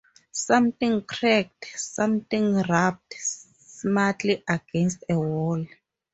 Something cracked, something rapped smartly against a wall.